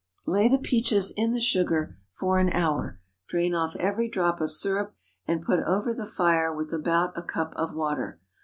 Lay the peaches in the sugar for an hour; drain off every drop of syrup, and put over the fire with about a cup of water.